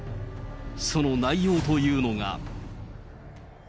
その内容というのが。